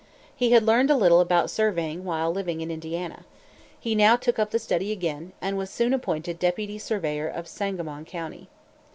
He had learned a little about surveying while living in Indiana. He now took up the study again, and was soon appointed deputy surveyor of Sangamon county.